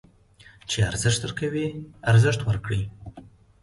چې ارزښت درکوي، ارزښت ورکړئ.